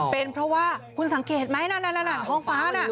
เป็นเพราะว่าคุณสังเกตไหมนั่นท้องฟ้าน่ะ